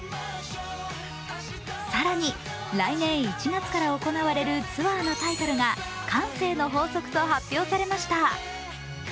更に、来年１月から行われるツアーのタイトルが「慣声の法則」と発表されました。